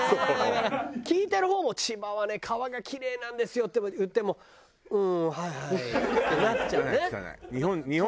だから聞いてる方も「千葉はね川がキレイなんですよ」って言っても「うんはいはい」ってなっちゃうね。